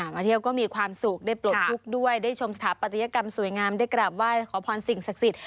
มาเที่ยวก็มีความสุขได้ปลดทุกข์ด้วยได้ชมสถาปัตยกรรมสวยงามได้กราบไหว้ขอพรสิ่งศักดิ์สิทธิ